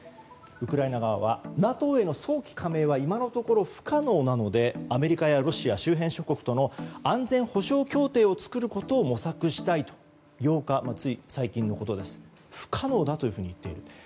ウクライナ側はＮＡＴＯへの早期加盟は今のところ不可能なのでアメリカやロシア、周辺諸国との安全保障協定を作ることを模索したいと８日つい最近不可能だと言っている。